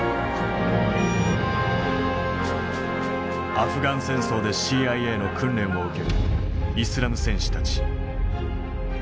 アフガン戦争でＣＩＡの訓練を受けるイスラム戦士たち。